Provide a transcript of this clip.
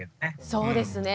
そうですね。